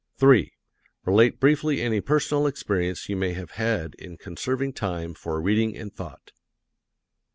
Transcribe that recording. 3. Relate briefly any personal experience you may have had in conserving time for reading and thought.